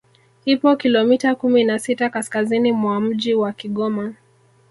Ipo kilomita kumi na sita kaskazini mwa mji wa Kigoma